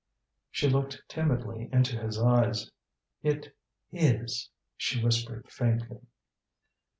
She looked timidly into his eyes. "It is," she whispered faintly.